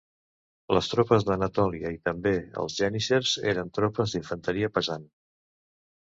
Les tropes d'Anatòlia i també els geníssers eren tropes d'infanteria pesant.